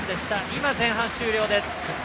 今、前半終了です。